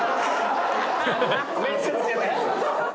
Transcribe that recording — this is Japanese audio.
面接じゃないです。